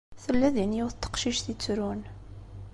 Tella din yiwet n teqcict yettrun.